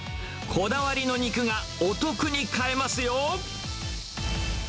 こだわりの肉がお得に買えますよ。